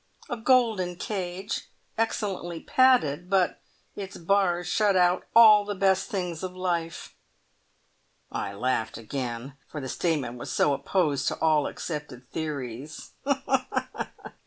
A golden cage, excellently padded, but its bars shut out all the best things of life!" I laughed again, for the statement was so opposed to all accepted theories.